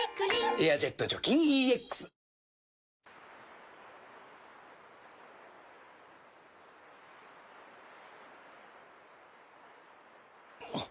「エアジェット除菌ＥＸ」あっ。